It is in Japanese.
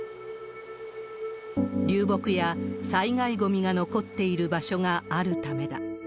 流木や災害ごみが残っている場所があるためだ。